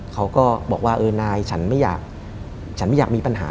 เขาก็บอกว่านายฉันไม่อยากมีปัญหา